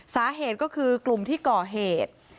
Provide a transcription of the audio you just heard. สาเหตุก็คือกลุ่มที่ก่อเหตุ